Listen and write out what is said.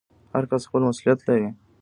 هر کس خپل مسوولیت لري